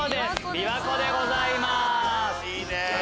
琵琶湖でございます！